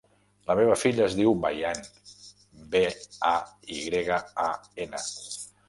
La meva filla es diu Bayan: be, a, i grega, a, ena.